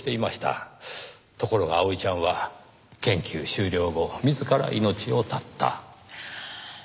ところが葵ちゃんは研究終了後自ら命を絶った。